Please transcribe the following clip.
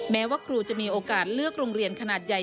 แม้ว่าครูจะมีโอกาสเลือกโรงเรียนขนาดใหญ่